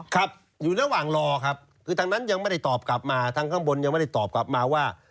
ครับอยู่ระหว่างรอครับคือทางนั้นยังไม่ได้ตอบกลับมาทางข้างบนยังไม่ได้ตอบกลับมาว่า